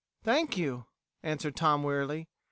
"Thank you," answered Tom wearily.